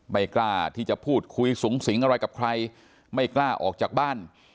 ไม่กล้าที่จะพูดคุยสูงสิงอะไรกับใครไม่กล้าออกจากบ้าน